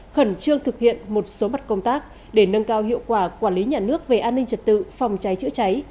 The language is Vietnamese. khẩn trương thực hiện một số mặt công tác để nâng cao hiệu quả quản lý nhà nước về an ninh trật tự phòng cháy chữa cháy